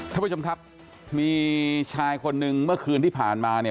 ท่านผู้ชมครับมีชายคนหนึ่งเมื่อคืนที่ผ่านมาเนี่ย